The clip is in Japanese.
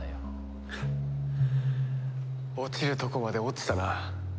ハッ落ちるとこまで落ちたな。